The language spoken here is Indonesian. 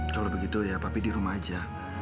kalau begitu ya tapi di rumah aja